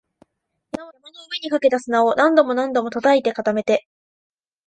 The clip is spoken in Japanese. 山の上にかけた砂を何度も何度も叩いて、固めて